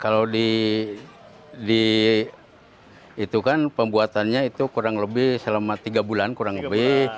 kalau itu kan pembuatannya itu kurang lebih selama tiga bulan kurang lebih